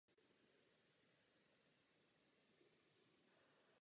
K západnímu průčelí je připojena hranolová věž.